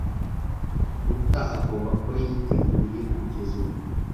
Ruta agomba kuba yiteguye kugeza ubu.